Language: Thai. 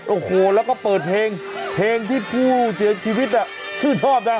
โอ้โหแล้วก็เปิดเพลงเพลงที่ผู้เสียชีวิตชื่นชอบนะ